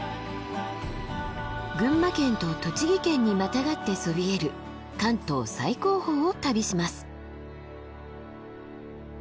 群馬県と栃木県にまたがってそびえる関東最高峰を旅します。